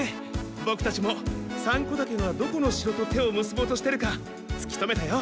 ボクたちもサンコタケがどこの城と手をむすぼうとしてるかつき止めたよ。